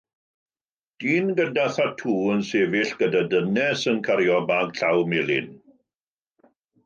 Dyn gyda thatŵ yn sefyll gyda dynes yn cario bag llaw melyn.